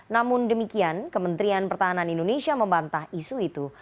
namun demikian kementerian pertahanan indonesia membantah isu itu